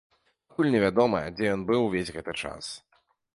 Пакуль невядома, дзе ён быў увесь гэты час.